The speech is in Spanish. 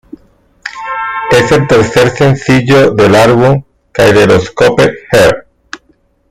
Es el tercer sencillo del álbum "Kaleidoscope Heart".